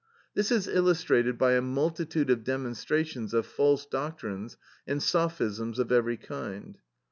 This is illustrated by a multitude of demonstrations of false doctrines and sophisms of every kind.